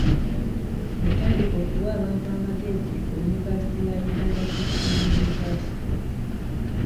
Yatandika okuwa abantu amagezi ku yunivasite ya Uganda Christian University.